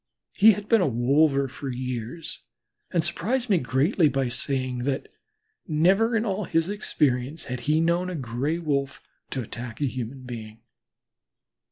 He had been a wolver for years, and greatly surprised me by saying that "never in all his experience had he known a Gray wolf to attack a human being."